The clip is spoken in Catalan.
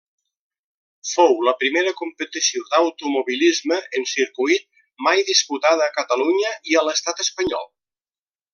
Fou la primera competició d'automobilisme en circuit mai disputada a Catalunya i a l'estat espanyol.